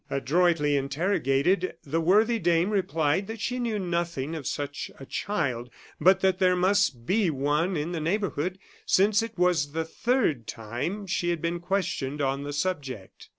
Adroitly interrogated, the worthy dame replied that she knew nothing of such a child, but that there must be one in the neighborhood, since it was the third time she had been questioned on the subject.